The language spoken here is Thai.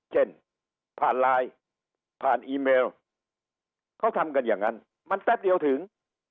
เช่นผ่านไลน์ผ่านอีเมลเขาทำกันอย่างนั้นมันแป๊บเดียวถึง